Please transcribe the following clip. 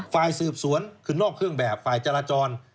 ฝ่ายสืบสวนคือนอกเครื่องแบบฝ่ายจราจร